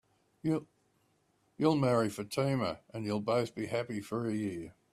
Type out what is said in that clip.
You'll marry Fatima, and you'll both be happy for a year.